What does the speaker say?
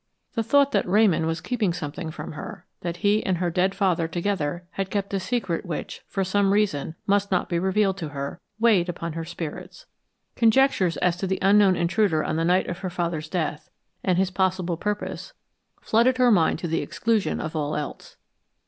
The thought that Ramon was keeping something from her that he and her dead father together had kept a secret which, for some reason, must not be revealed to her, weighed upon her spirits. Conjectures as to the unknown intruder on the night of her father's death, and his possible purpose, flooded her mind to the exclusion of all else.